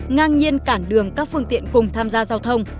ngang nhiên cản đường các phương tiện cùng tham gia giao thông